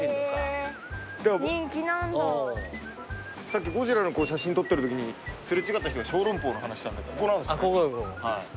さっきゴジラの写真撮ってるときに擦れ違った人がショウロンポウの話してたんでここなんですね。